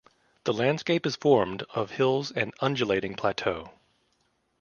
The landscape is formed of hills and undulating plateau.